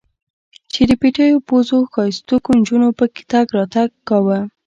چې د پيتو پوزو ښايستوکو نجونو پکښې تګ راتګ کاوه.